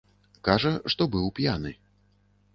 Кажа, што быў п'яны.